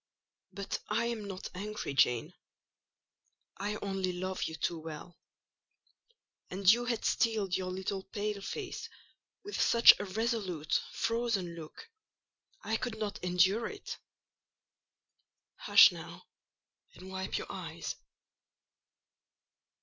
"But I am not angry, Jane: I only love you too well; and you had steeled your little pale face with such a resolute, frozen look, I could not endure it. Hush, now, and wipe your eyes."